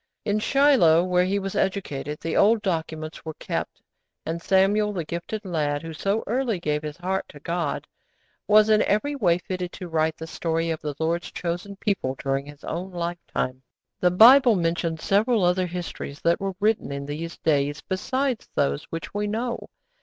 In Shiloh, where he was educated, the old documents were kept, and Samuel, the gifted lad, who so early gave his heart to God, was in every way fitted to write the story of the Lord's chosen people during his own life time. The Bible mentions several other histories that were written in these days besides those which we know.